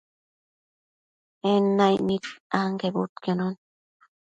En naicnid anquebudquionon